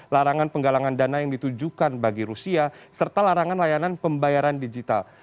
larangan penggalangan dana yang ditujukan bagi rusia serta larangan layanan pembayaran digital